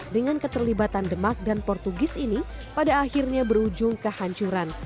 dengan keterlibatan demak dan portugis ini pada akhirnya berujung kehancuran